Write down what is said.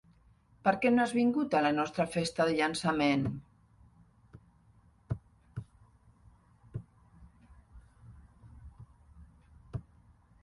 Per què no has vingut a la nostra festa de llançament?